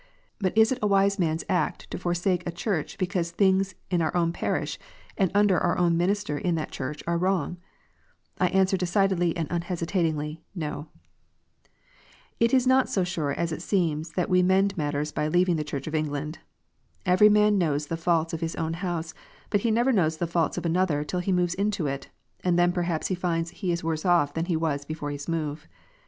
But is it a wise man s act to forsake a Church because things in our own parish, and under our own minister in that Church, are wrong 1 I answer decidedly and unhesitatingly, No ! It is not so sure as it seems that we mend matters by leaving the Church of England. Every man knows the faults of his own house, but he never knows the faults of another till he moves into it, and then perhaps he finds he is worse off than he was before his move.